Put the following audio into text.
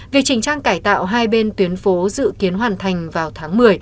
việc chỉnh trang cải tạo hai bên tuyến phố dự kiến hoàn thành vào tháng một mươi